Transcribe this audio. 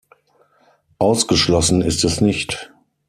Ausgeschlossen ist es nicht.